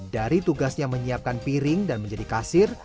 dari tugasnya menyiapkan piring dan menjadi kasir